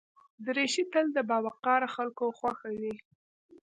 دریشي تل د باوقاره خلکو خوښه وي.